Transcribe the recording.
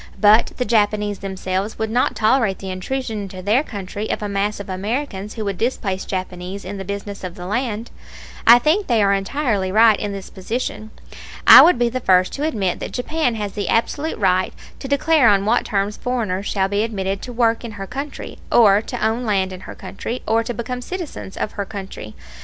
But the Japanese themselves would not tolerate the intrusion into their country of a mass of Americans who would displace Japanese in the business of the land. I think they are entirely right in this position. I would be the first to admit that Japan has the absolute right to declare on what terms foreigners shall be admitted to work in her country, or to own land in her country, or to become citizens of her country.